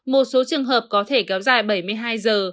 một số trường hợp có thể kéo dài bảy mươi hai giờ